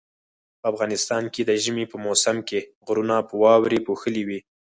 په افغانستان کې د ژمي په موسم کې غرونه په واوري پوښلي وي